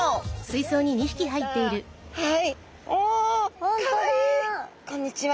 はい。